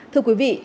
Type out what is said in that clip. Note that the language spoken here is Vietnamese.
thưa quý vị